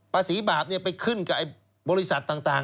ภาษีบาปไปขึ้นกับบริษัทต่าง